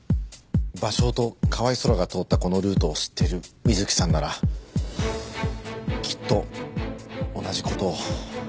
芭蕉と河合曾良が通ったこのルートを知っている美月さんならきっと同じ事を。